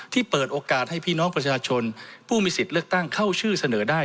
เปิดโอกาสให้พี่น้องประชาชนผู้มีสิทธิ์เลือกตั้งเข้าชื่อเสนอได้